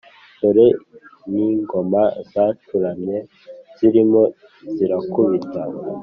dore nkingoma zacuramye, zirimo zirakubita